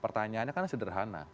pertanyaannya kan sederhana